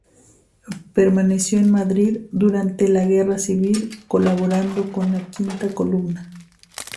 Permaneció en Madrid durante la Guerra Civil, colaborando con la Quinta Columna.